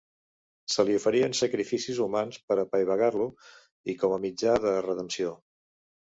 Se li oferien sacrificis humans per apaivagar-lo i com a mitjà de redempció.